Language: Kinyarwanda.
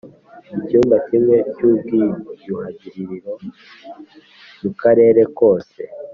icyumba kimwe cy ubwiyuhagiriro mu karere kose